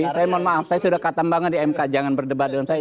saya mohon maaf saya sudah katam banget di mk jangan berdebat dengan saya